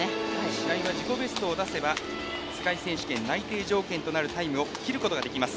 白井は自己ベストを出せば世界選手権内定条件を切ることができます。